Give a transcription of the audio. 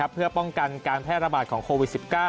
เพื่อป้องกันการแพร่ระบาดของโควิด๑๙